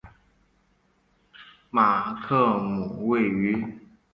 马克姆位于。